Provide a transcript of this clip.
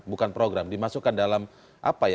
bukan program dimasukkan dalam apa ya